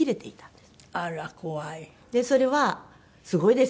でそれはすごいですよね。